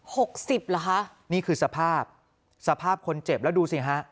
หกสิบเหรอคะนี่คือสภาพสภาพคนเจ็บแล้วดูสิฮะ